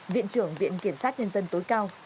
viện trưởng viện kiểm sát nhân dân tối cao